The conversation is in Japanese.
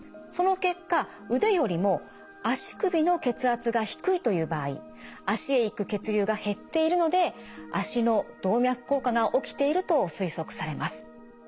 その結果腕よりも足首の血圧が低いという場合脚へ行く血流が減っているので脚の動脈硬化が起きていると推測されます。